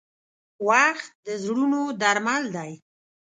• وخت د زړونو درمل دی.